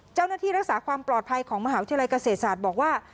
เจ้าหน้าที่รักษาความปลอดภัยของมหาวิทยาลัยเกษตรศาสตร์บอกว่า